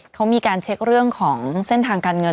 เขามีการเช็คเรื่องของเส้นทางการเงิน